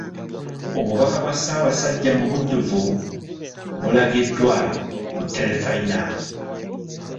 Obubaka bwa Ssaabasajja mu bujjuvu bulagiddwa ku Terefayina.